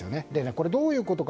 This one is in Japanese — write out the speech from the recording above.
これ、どういうことか。